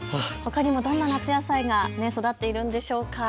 どんな夏野菜が育っているのでしょうか。